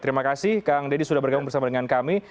terima kasih kang deddy sudah bergabung bersama dengan kami